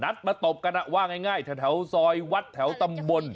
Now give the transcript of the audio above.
มาตบกันว่าง่ายแถวซอยวัดแถวตำบล